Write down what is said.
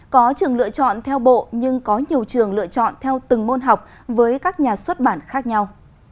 có trường lựa chọn theo bộ nhưng có nhiều trường lựa chọn theo từng môn học với các nhà xuất bản khác nhau